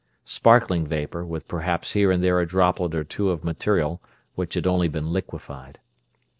Sparkling vapor, with perhaps here and there a droplet or two of material which had only been liquefied.